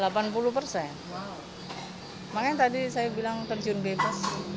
makanya tadi saya bilang terjun bebas